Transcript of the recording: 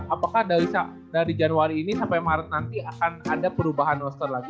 apakah dari januari ini sampai maret nanti akan ada perubahan loster lagi